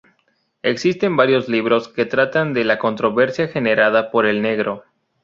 Existen varios libros que tratan de la controversia generada por El Negro.